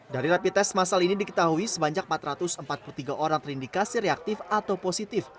dari rapid test masal ini diketahui sebanyak empat ratus empat puluh tiga orang terindikasi reaktif atau positif